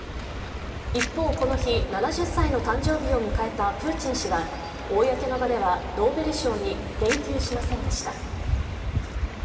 一方、この日、７０歳の誕生日を迎えたプーチン氏は公の場ではノーベル賞に言及しませんでした。